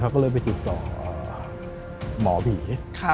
ก็เลยไปติดต่อหมอผี